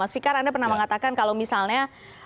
mas fikar anda pernah mengatakan kalau misalnya